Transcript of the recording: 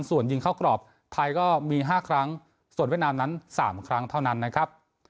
ส่วนยิงเข้ากรอบไทยก็มี๕ครั้งส่วนเวียดนามนั้น๓ครั้งเท่านั้นนะครับ